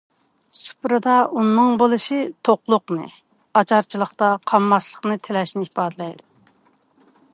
سۇپرىدا ئۇننىڭ بولۇشى توقلۇقنى، ئاچارچىلىقتا قالماسلىقنى تىلەشنى ئىپادىلەيدۇ.